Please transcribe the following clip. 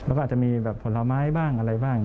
แล้วก็อาจจะมีแบบผลไม้บ้างอะไรบ้าง